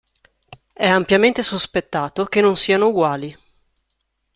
È ampiamente sospettato che non siano uguali.